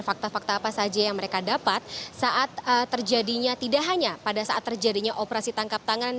fakta fakta apa saja yang mereka dapat saat terjadinya tidak hanya pada saat terjadinya operasi tangkap tangan